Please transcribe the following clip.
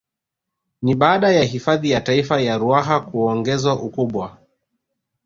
Ni baada ya hifadhi ya Taifa ya Ruaha kuongezwa ukubwa